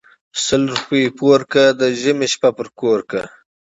سل روپی پور کړه د ژمي شپه په کور کړه .